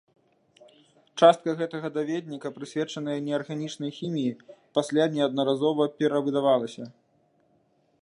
Частка гэтага даведніка, прысвечаная неарганічнай хіміі, пасля неаднаразова перавыдавалася.